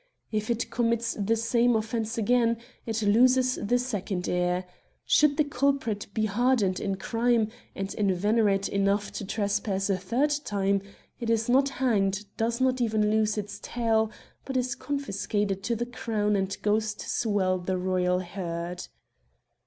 If it commits the same offence again, it loses the second ear ; should the culprit be hardened in crime, and in veterate enough to trepass a third time, it is not hanged, does not even lose its tail, but is confiscated to the Crown and goes to swell the royal herd.